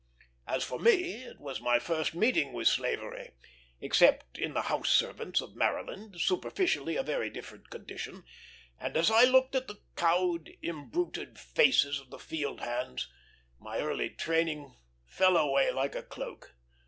As for me, it was my first meeting with slavery; except in the house servants of Maryland, superficially a very different condition; and as I looked at the cowed, imbruted faces of the field hands, my early training fell away like a cloak.